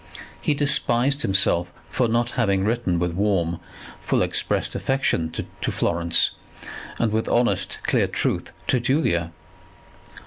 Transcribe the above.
He despised himself for not having written with warm, full expressed affection to Florence and with honest clear truth to Julia.